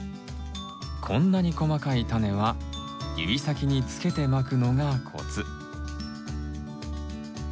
こんなに細かいタネは指先につけてまくのがコツ。